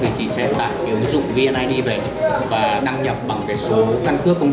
thì chị sẽ tạo cái ví dụ vnid về và đăng nhập bằng cái số căn cước công dân